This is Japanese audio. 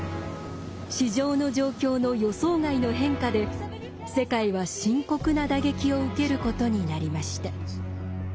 市場の状況の予想外の変化で世界は深刻な打撃を受けることになりました。